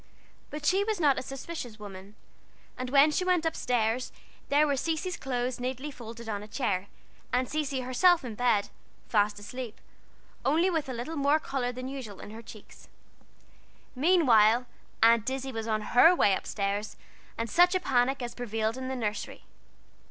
But she was not a suspicious woman; and when she went up stairs there were Cecy's clothes neatly folded on a chair, and Cecy herself in bed, fast asleep, only with a little more color than usual in her cheeks. Meantime, Aunt Izzie was on her way up stairs, and such a panic as prevailed in the nursery!